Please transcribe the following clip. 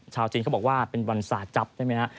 ชาวจีนเค้าบอกว่าเป็นวันสระจับใช่ไหมครับ